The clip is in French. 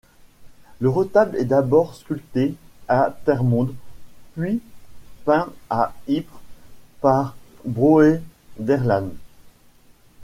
Le retable est d'abord sculpté à Termonde, puis peint à Ypres par Broederlam.